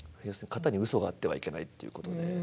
要するに型にうそがあってはいけないっていうことで。